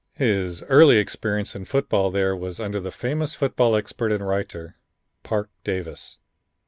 His early experience in football there was under the famous football expert and writer, Parke Davis.